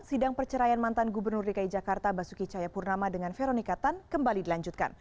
sidang perceraian mantan gubernur dki jakarta basuki cayapurnama dengan veronika tan kembali dilanjutkan